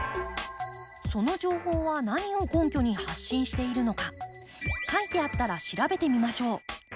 その情報は何を根拠に発信しているのか書いてあったら調べてみましょう。